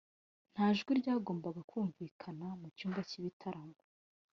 nta jwi ryagombaga kumvikana mu cyumba cy'ibitaramo.